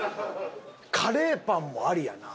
カレーパンもありやな。